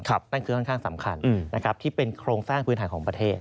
นั่นคือค่อนข้างสำคัญนะครับที่เป็นโครงสร้างพื้นฐานของประเทศ